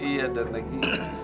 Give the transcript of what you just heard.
ya dan lagi